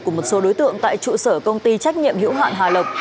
của một số đối tượng tại trụ sở công ty trách nhiệm hữu hạn hà lộc